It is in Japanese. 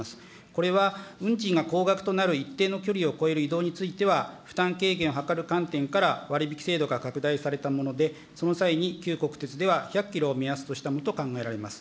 これは、運賃が高額となる一定の距離を越える移動については、負担軽減を図る観点から、割引制度が拡大されたもので、その際に旧国鉄では、１００キロを目安としたものと考えられます。